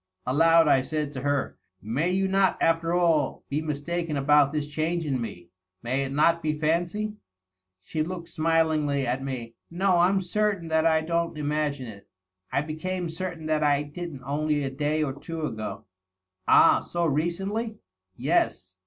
Aloud I said to her, " May you not, after all, be mistaken about this change in me ? May it not be fancy ?" She looked smilingly at me. "No; I'm certain that I don't imagine it. I became certain that I didn't only a day or two ago." "Ah? So recently?" " Yes.